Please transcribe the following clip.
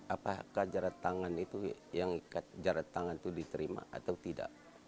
apakah jarak tangan itu diterima atau tidak